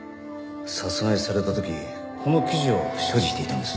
殺害された時この記事を所持していたんです。